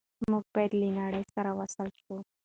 موږ باید له نړۍ سره وصل شو.